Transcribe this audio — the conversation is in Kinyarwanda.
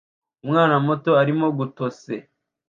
Umwana muto arimo gutose